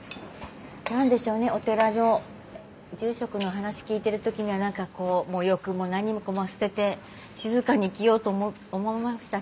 何でしょうねお寺の住職のお話聞いてる時は何かこう欲も何もかも捨てて静かに生きようと思いましたけど。